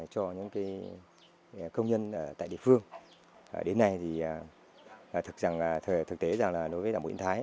cho những công nhân tại địa phương đến nay thì thực tế là đối với đảng bộ yên thái